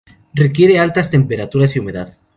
Requiere altas temperaturas y humedad.